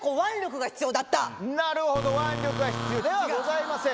なるほど腕力は必要ではございません。